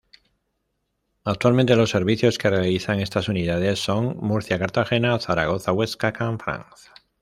Actualmente los servicios que realizan estas unidades son Murcia-Cartagena, Zaragoza-Huesca-Canfranc